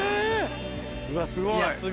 うわすごい。